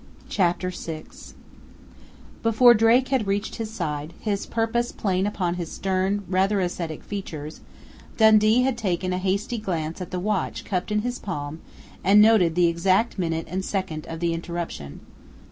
CHAPTER SIX Before Drake had reached his side, his purpose plain upon his stern, rather ascetic features, Dundee had taken a hasty glance at the watch cupped in his palm and noted the exact minute and second of the interruption.